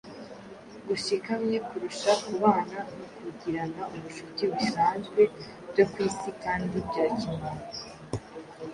gushikamye kurusha kubana no kugirana ubucuti bisanzwe byo ku isi kandi bya kimuntu.